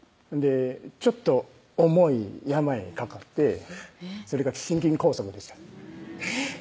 ちょっと重い病にかかってそれが心筋梗塞でしたえぇっ！